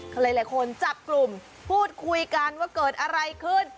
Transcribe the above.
หลายคนจับกลุ่มพูดคุยกันว่าเกิดอะไรขึ้น